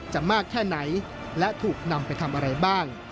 มากแค่ไหนและถูกนำไปทำอะไรบ้าง